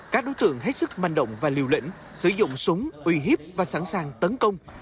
các đối tượng hết sức manh động và liều lĩnh sử dụng súng uy hiếp và sẵn sàng tấn công